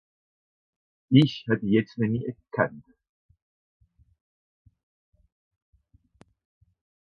Dìch hätt ìch jetzt nemmi gekannt.